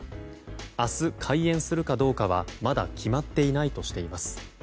明日、開園するかどうかは、まだ決まっていないとしています。